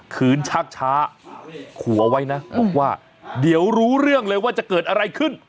คืนชักช้าขู่เอาไว้นะบอกว่าเดี๋ยวรู้เรื่องเลยว่าจะเกิดอะไรขึ้น